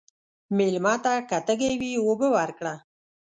مېلمه ته که تږی وي، اوبه ورکړه.